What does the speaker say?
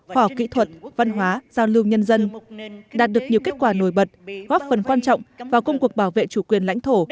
khoa học kỹ thuật văn hóa giao lưu nhân dân đạt được nhiều kết quả nổi bật góp phần quan trọng vào công cuộc bảo vệ chủ quyền lãnh thổ